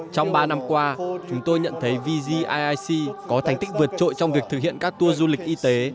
trong ba năm qua chúng tôi nhận thấy vgic có thành tích vượt trội trong việc thực hiện các tour du lịch y tế